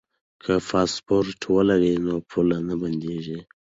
که پاسپورټ ولرو نو پوله نه بندیږي.